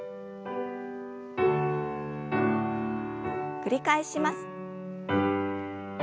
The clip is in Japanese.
繰り返します。